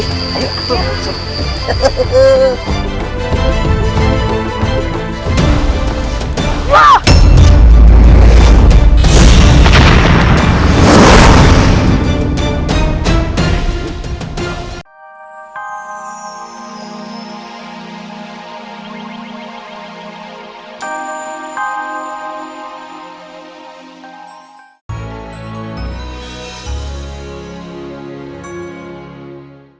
selasi selamat menikmati